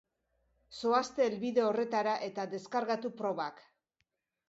Zoazte helbide horretara eta deskargatu probak.